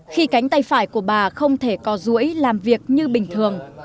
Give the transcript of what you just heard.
khi cánh tay phải của bà không thể có rũi làm việc như bình thường